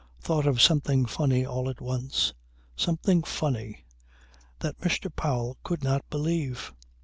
Thought of something funny all at once." Something funny! That Mr. Powell could not believe.